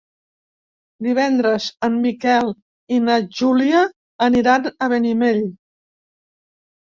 Divendres en Miquel i na Júlia aniran a Benimeli.